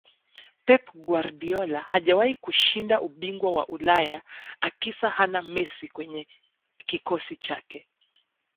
pep guardiola hajawahi kushinda ubingwa wa ulaya akisa hana messi kwenye kikosi chake